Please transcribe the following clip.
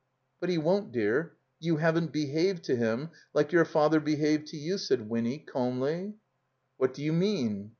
•'But he won't, dear. You haven't behaved to him like your father behaved to you," said Winny, calmly. "What do you mean?"